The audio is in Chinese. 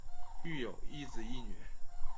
育有一子一女。